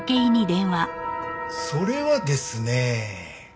それはですね。